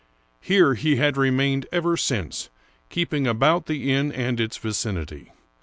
Here he had remained ever since, keeping about the inn and its vicinity.